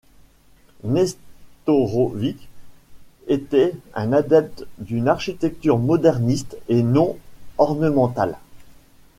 Nestorović était un adepte d'une architecture moderniste et non ornementale.